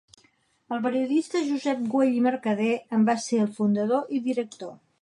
El periodista Josep Güell i Mercader en va ser el fundador i director.